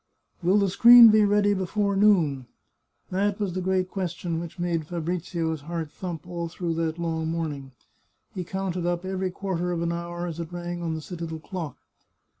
" Will the screen be ready before noon ?" That was the great question which made Fabrizio's heart thump all through that long morning. He counted up every quarter of an hour as it rang on the citadel clock.